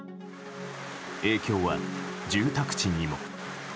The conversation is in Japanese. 影響は住宅地にも。